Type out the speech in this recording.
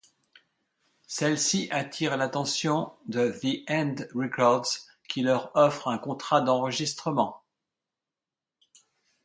Celle-ci attire l’attention de The End Records, qui leur offre un contrat d’enregistrement.